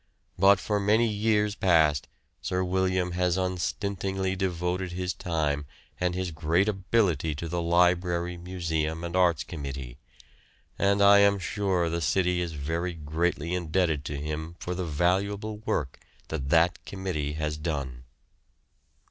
But for many years past Sir William has unstintingly devoted his time and his great ability to the Library, Museum, and Arts Committee. And I am sure the city is very greatly indebted to him for the valuable work that that committee has done."